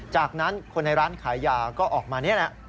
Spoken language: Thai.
จากนั้นคนในร้านขายยาก็ออกมา